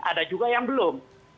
ada juga yang belum